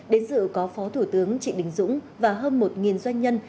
đến dự có phó thủ tướng trịnh đình dũng và hơn một doanh nhân